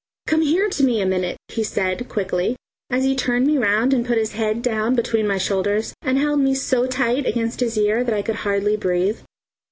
"Come here to me a minute!" he said quickly, and he turned me round and put his head down between my shoulders and held me so tight against his ear that I could hardly breathe.